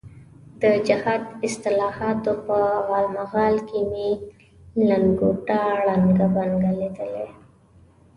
د جهاد اصطلاحاتو په غالمغال کې مې لنګوټه ړنګه بنګه لیدلې.